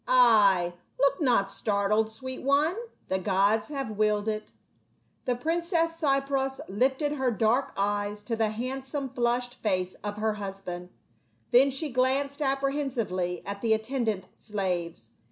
Ay, look not startled, sweet one, the gods have willed it." The princess Cypros lifted her dark eyes to the handsome flushed face of her husband, then she glanced apprehensively at the attendant slaves.